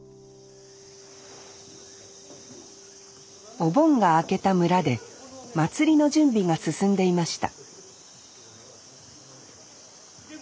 お盆が明けた村で祭りの準備が進んでいました